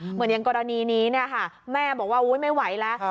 เหมือนอย่างกรณีนี้แม่บอกว่าไม่ไหวแล้ว